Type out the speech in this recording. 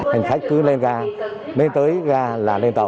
hành khách cứ lên gà lên tới gà là lên tàu